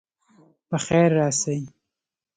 په خیر راسئ.